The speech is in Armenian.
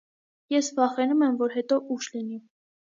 ես վախենում եմ, որ հետո ուշ լինի: